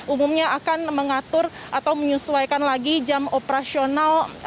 umumnya akan mengatur atau menyesuaikan lagi jam operasional